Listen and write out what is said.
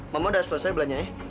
mama udah selesai belanjanya